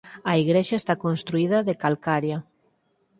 A igrexa está construída de calcaria.